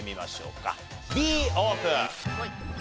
Ｂオープン。